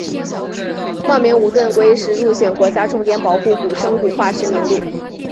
茂名无盾龟是入选国家重点保护古生物化石名录。